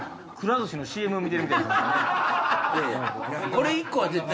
これ１個は絶対。